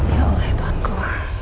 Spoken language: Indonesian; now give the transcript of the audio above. ya allah ya tuhan ku